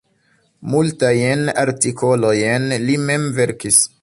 Multajn artikolojn li mem verkis.